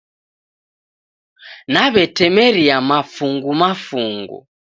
Naw'etemeria mafungu mafungu